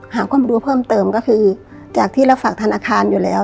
หาความรู้เพิ่มเติมก็คือจากที่เราฝากธนาคารอยู่แล้ว